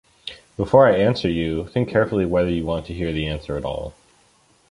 Before I answer you, think carefully whether you want to hear the answer at all.